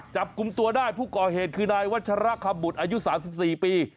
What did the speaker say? จับกลุ่มตัวได้ผู้ก่อเหตุคือนายวัชระคบุตรอายุ๓๔ปี